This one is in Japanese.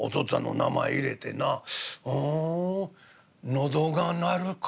『喉が鳴る』か」。